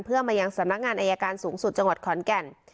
เพื่อมายังสำนักงานอายการสูงสุดจังหวัดขอนแก่น